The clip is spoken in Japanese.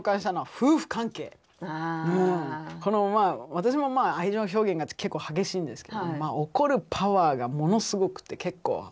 私もまあ愛情表現が結構激しいんですけど怒るパワーがものすごくて結構。